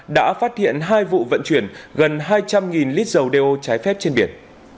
đã phát hiện hai vụ vận chuyển gần hai trăm linh lít dầu đeo trái phép trên biển